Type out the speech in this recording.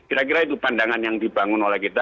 kira kira itu pandangan yang dibangun oleh kita